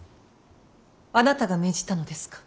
あなたが命じたのですか。